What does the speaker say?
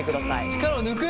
力を抜く。